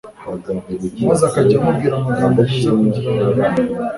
maze akajya amubwira amagambo meza kugira ngo na